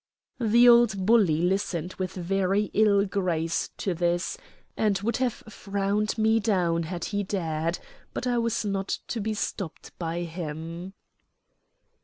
The old bully listened with very ill grace to this, and would have frowned me down had he dared; but I was not to be stopped by him.